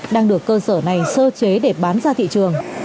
đang được cơ sở này sơ chế để bán ra thị trường